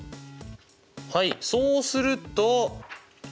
はいそうするとジャン！